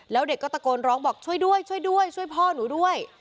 แล้วเด็กก็ตะโกนร้องบอกช่วยด้วยช่วยด้วยช่วยพ่อหนูด้วย